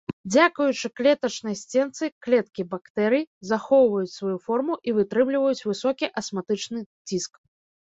Дзякуючы клетачнай сценцы клеткі бактэрый захоўваюць сваю форму і вытрымліваюць высокі асматычны ціск.